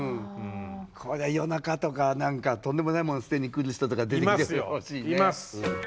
これは夜中とか何かとんでもないもの捨てにくる人とか出てきてほしいね。